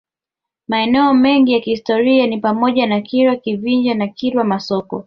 Maeneo mengine ya kihistoria ni pamoja na Kilwa Kivinje na Kilwa Masoko